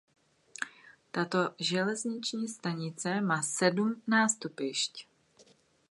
Tato železniční stanice má sedm nástupišť.